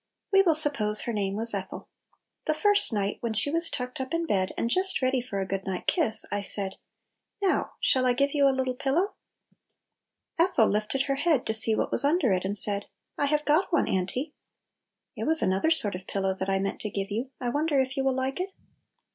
We will suppose her name was Ethel. The first night, when she was tucked up in bed, and just ready for a good night kiss, I said, "Now, shall I give you a little pillow?" Ethel lifted her head to see what was under it, and said, "I haze got one, Auntie !" "It was another sort of pillow that I meant to give you; I wonder if you will like it?"